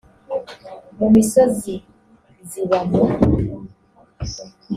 mu misozi ziba mu